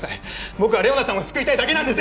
僕は玲於奈さんを救いたいだけなんです！